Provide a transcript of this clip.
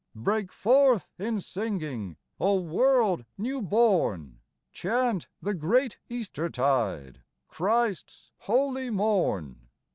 Break forth in singing, O world new born ! Chant the great Easter tide, Christ's holy morn.